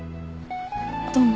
どうも。